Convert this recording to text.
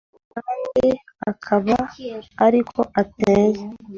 kandi akaba ariko ateye